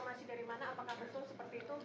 itu sembako dan juga semen